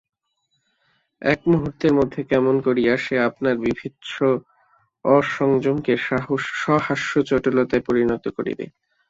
এক মুহূর্তের মধ্যে কেমন করিয়া সে আপনার বীভৎস অসংযমকে সহাস্য চটুলতায় পরিণত করিবে।